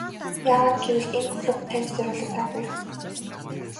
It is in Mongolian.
Яагаад гэвэл энэ клуб танд зориулагдаагүй.